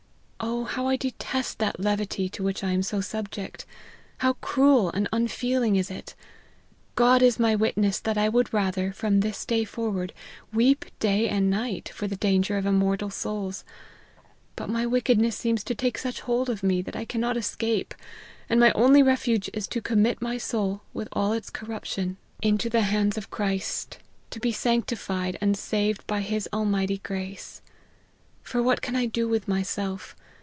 Oh ! how I detest that levity to which I am so subject ! How cruel and unfeeling is it ! God is my witness that I would rather, from this day forward, weep day and night, for the danger of immortal souls. But my wickedness seems to take such hold of me, that I cannot escape ; and my only refuge is to commit my soul, with all its corruption, into the hands of LIFE OF HENRY MARTYN. 99 Christ, to be sanctified and saved by His almighty grace. For what can I do with myself